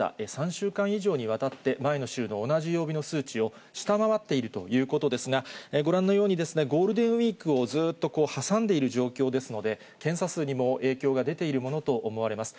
３週間以上にわたって、前の週の同じ曜日の数値を下回っているということですが、ご覧のように、ゴールデンウィークをずっと挟んでいる状況ですので、検査数にも影響が出ているものと思われます。